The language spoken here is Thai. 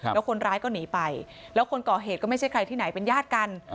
แล้วคนร้ายก็หนีไปแล้วคนก่อเหตุก็ไม่ใช่ใครที่ไหนเป็นญาติกัน